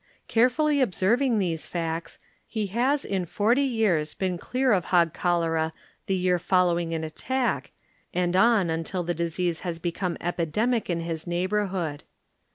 Care fully observing these facts, ^e has in forty years been clear of hog cholera the year following an attack, and on un til the disease has become epidemic in his neighborhood.